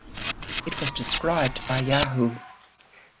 It was described by Yahoo!